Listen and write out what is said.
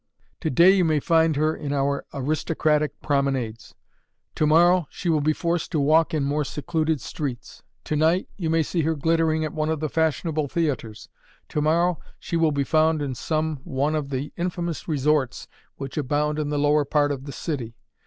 To day you may find her in our aristocratic promenades; to morrow she will be forced to walk in more secluded streets. To night you may see her glittering at one of the fashionable theatres; to morrow she will be found in some one of the infamous resorts which abound in the lower part of the city.